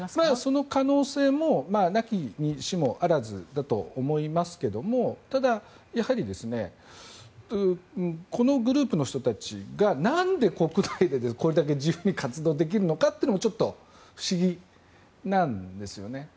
その可能性も無きにしも非ずだと思いますがただ、やはりこのグループの人たちがなんで国内で、これだけ自由に活動できるのかというのもちょっと不思議なんですよね。